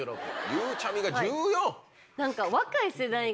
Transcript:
ゆうちゃみが１４。